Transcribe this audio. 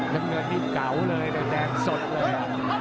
กำเนิดนี้เก๋าเลยแดบแดงสดเลย